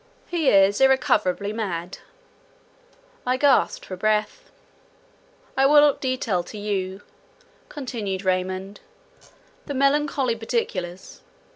—He is irrecoverably mad." I gasped for breath— "I will not detail to you," continued Raymond, "the melancholy particulars.